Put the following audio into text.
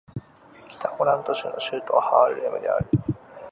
北ホラント州の州都はハールレムである